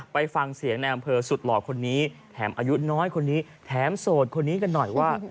ไปฟังเสียงในอำเภอสุดหล่อคนนี้แถมอายุน้อยคนนี้แถมโสดคนนี้กันหน่อยว่า